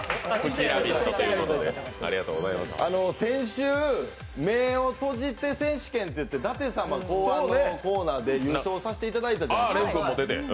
先週、目を閉じて選手権っていって舘様考案のコーナーで優勝させてもらったじゃないですか。